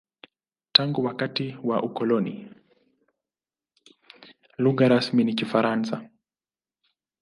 Tangu wakati wa ukoloni, lugha rasmi ni Kifaransa.